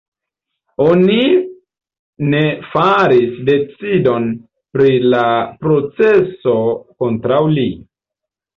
Oni ne faris decidon pri la proceso kontraŭ li.